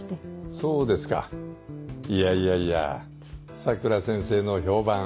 そうですかいやいやいや佐倉先生の評判